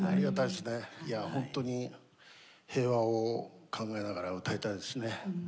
いやぁほんとに平和を考えながら歌いたいですね。